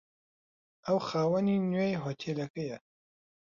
ئەو خاوەنی نوێی هۆتێلەکەیە.